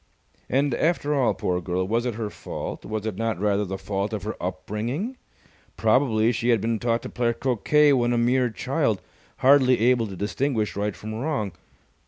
And, after all, poor girl, was it her fault? Was it not rather the fault of her upbringing? Probably she had been taught to play croquet when a mere child, hardly able to distinguish right from wrong.